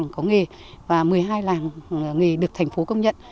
có nghề và một mươi hai làng nghề được thành phố công nhận